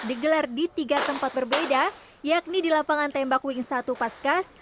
digelar di tiga tempat berbeda yakni di lapangan tembak wing satu paskas